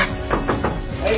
はい。